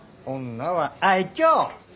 女は愛嬌。